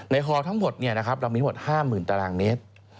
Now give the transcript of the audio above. ในฮอล์ทั้งหมดเนี่ยนะครับเรามีหมด๕๐๐๐๐ตารางเมตร